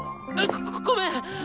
ごっごめん！